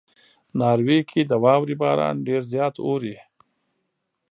ناروې کې د واورې باران ډېر زیات اوري.